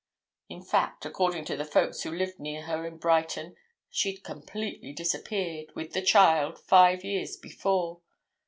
In fact, according to the folks who lived near her in Brighton, she'd completely disappeared, with the child, five years before.